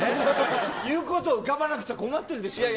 言うことが浮かばなくて困ってるでしょ。